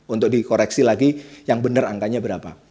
untuk dikoreksi lagi yang benar angkanya berapa